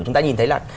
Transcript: chúng ta nhìn thấy là